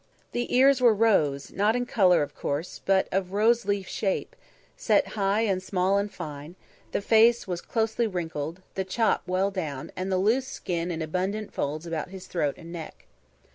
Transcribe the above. The ears were rose; not in colour, of course, but of rose leaf shape, set high and small and fine; the face was closely wrinkled, the "chop" well down, and the loose skin in abundant folds about his throat and neck.